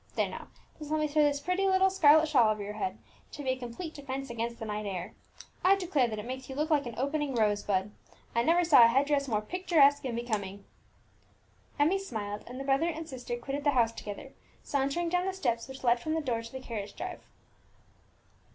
There now, just let me throw this pretty little scarlet shawl over your head, to be a complete defence against the night air! I declare that it makes you look like an opening rose bud; I never saw a headdress more picturesque and becoming!" Emmie smiled, and the brother and sister quitted the house together, sauntering down the steps which led from the door to the carriage drive.